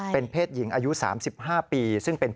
เป็นเพศหญิงอายุ๓๕ปี